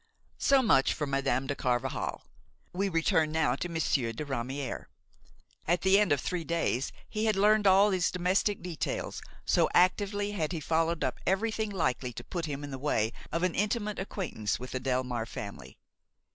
So much for Madame de Carvajal; we return now to Monsieur de Ramière. At the end of three days he had learned all these domestic details, so actively had he followed up everything likely to put him in the way of an intimate acquaintance with the Delmare family.